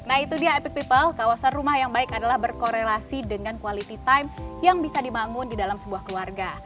nah itu dia epic people kawasan rumah yang baik adalah berkorelasi dengan quality time yang bisa dibangun di dalam sebuah keluarga